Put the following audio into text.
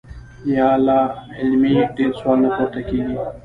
يا لا علمۍ ډېر سوالونه پورته کيږي -